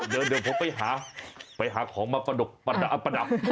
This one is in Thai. เดี๋ยวผมไปหาเพื่อหาของมาประดับตกแต่ง